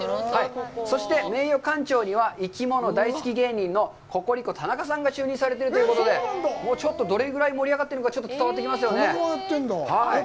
そして名誉館長には生き物大好き芸人のココリコ・田中さんが就任されているということで、ちょっとどれぐらい盛り上がってるのかちょっと伝わってきますよね。